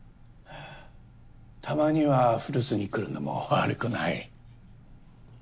たまには古巣に来るのも悪くない。